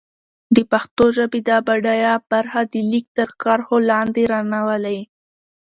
د پښتو ژبې دا بډايه برخه د ليک تر کرښو لاندې را نه ولي.